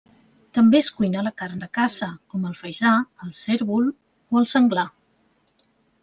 També es cuina la carn de caça, com el faisà, el cérvol o el senglar.